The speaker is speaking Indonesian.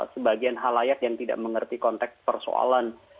sebagian halayak yang tidak mengerti konteks persoalan